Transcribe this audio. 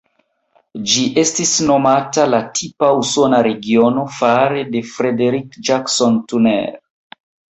Ĝi estis nomita la "tipa usona" regiono fare de Frederick Jackson Turner.